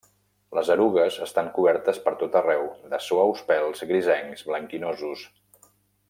Les erugues estan cobertes per tot arreu de suaus pèls grisencs blanquinosos.